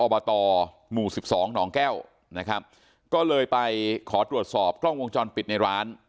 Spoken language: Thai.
ตหมู่๑๒หนองแก้วนะครับก็เลยไปขอตรวจสอบกล้องวงจรปิดในร้าน